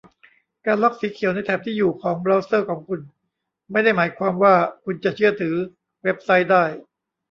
การล็อกสีเขียวในแถบที่อยู่ของเบราว์เซอร์ของคุณไม่ได้หมายความว่าคุณจะเชื่อถือเว็บไซต์ได้